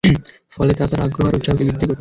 ফলে তা তাঁর আগ্রহ আর উৎসাহকে বৃদ্ধি করত।